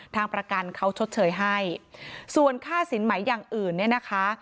ทางประกันเขาชดเชยให้ส่วนค่าสินใหม่อย่างอื่นเนี่ยนะคะ